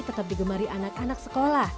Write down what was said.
tetap digemari anak anak sepanjang tahun